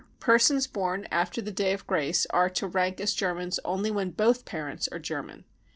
Persons born after the day of grace are to rank as Germans only when both parents are German.